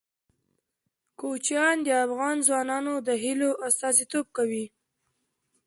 کوچیان د افغان ځوانانو د هیلو استازیتوب کوي.